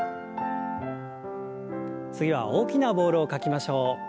次は大きなボールを描きましょう。